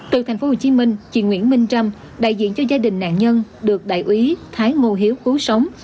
từ tp hcm chị nguyễn minh trâm đại diện cho gia đình nạn nhân được đại úy thái ngô hiếu cứu sống